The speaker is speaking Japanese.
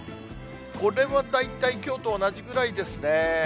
これは大体きょうと同じぐらいですね。